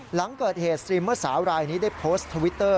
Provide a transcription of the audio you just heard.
หลังเกิดเหตุสตรีมเมอร์สาวรายนี้ได้โพสต์ทวิตเตอร์